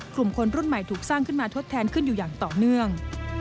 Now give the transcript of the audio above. กลุ่มคนรุ่นใหม่ถูกสร้างขึ้นมาทดแทนขึ้นอยู่อย่างต่อเนื่อง